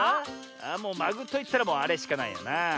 もう「まぐ」といったらもうあれしかないよな。